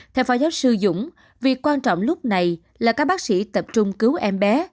theo phó giáo sư dũng việc quan trọng lúc này là các bác sĩ tập trung cứu em bé